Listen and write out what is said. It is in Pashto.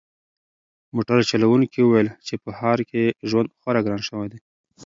موټر چلونکي وویل چې په ښار کې ژوند خورا ګران شوی دی.